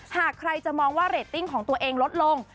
หากใครจะมองว่าเรตติ้งของตัวเองลดลง